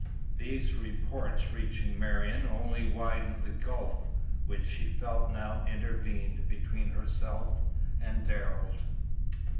These reports reaching Marion only widened the gulf which she felt now intervened between herself and Darrell.